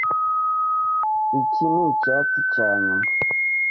Iki nicyatsi cyanyuma!